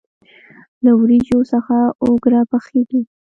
له وریجو څخه اوگره پخیږي.